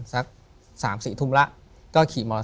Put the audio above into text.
ถูกต้องไหมครับถูกต้องไหมครับ